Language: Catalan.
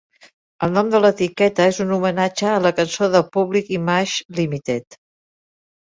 El nom de l'etiqueta és un homenatge a la cançó de Public Image Limited.